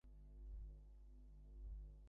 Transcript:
ভেবেছিলাম এই আইডিয়া তোমার পছন্দ হয়নি।